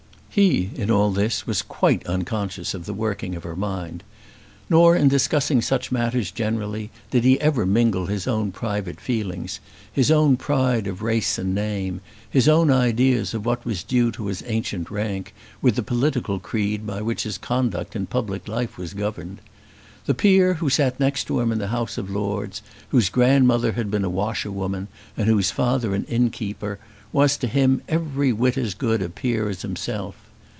He, in all this, was quite unconscious of the working of her mind. Nor in discussing such matters generally did he ever mingle his own private feelings, his own pride of race and name, his own ideas of what was due to his ancient rank with the political creed by which his conduct in public life was governed. The peer who sat next to him in the House of Lords, whose grandmother had been a washerwoman and whose father an innkeeper, was to him every whit as good a peer as himself.